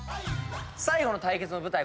最後の対決の舞台